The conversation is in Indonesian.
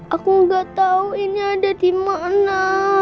aku gak tau ini ada dimana